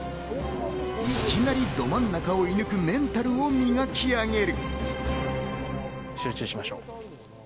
いきなりド真ん中を射抜くメンタルを磨き上げる。